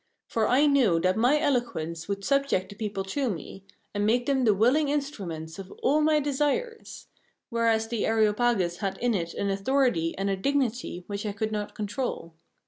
For I knew that my eloquence would subject the people to me, and make them the willing instruments of all my desires; whereas the Areopagus had in it an authority and a dignity which I could not control.